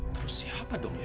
terus siapa dong ya